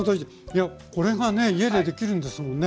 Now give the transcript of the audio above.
いやこれがね家でできるんですもんね。